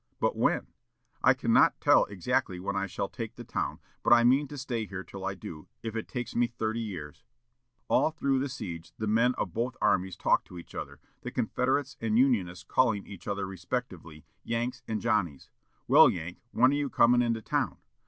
"But when?" "I cannot tell exactly when I shall take the town; but I mean to stay here till I do, if it takes me thirty years." All through the siege, the men of both armies talked to each other; the Confederates and Unionists calling each other respectively "Yanks" and "Johnnies." "Well, Yank, when are you coming into town?"